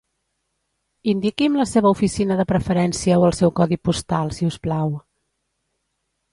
Indiqui'm la seva oficina de preferència o el seu codi postal, si us plau.